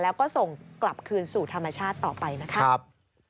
แล้วก็ส่งกลับคืนสู่ธรรมชาติต่อไปนะครับ